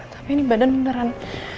tapi ini badan beneran